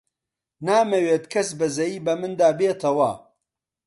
نامەوێت کەس بەزەیی بە مندا بێتەوە.